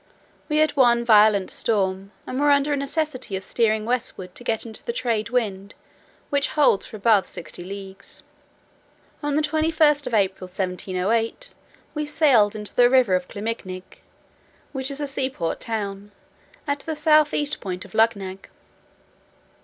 We had one violent storm, and were under a necessity of steering westward to get into the trade wind, which holds for above sixty leagues. On the 21st of April, 1708, we sailed into the river of Clumegnig, which is a seaport town, at the south east point of Luggnagg.